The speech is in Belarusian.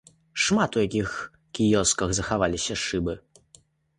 Шмат у якіх кіёсках захаваліся шыбы.